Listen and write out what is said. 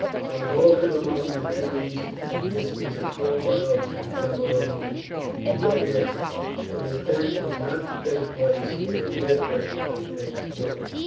They halted among the trees at a distance of four miles from Camalodunum, and then rested, for the attack was not to take place until daybreak on the next morning.